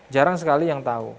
jarang sekali yang tahu